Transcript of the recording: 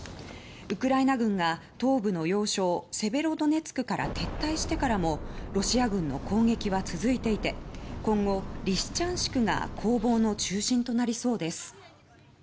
ウクライナ軍が東部の要衝セベロドネツクから撤退してからもロシア軍の攻撃は続いていて今後リシチャンシクが攻防の中心となりそうです。